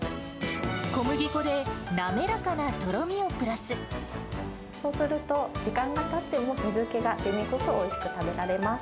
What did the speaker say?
小麦粉で滑らかなとろみをプそうすると、時間がたっても水けが出にくく、おいしく食べられます。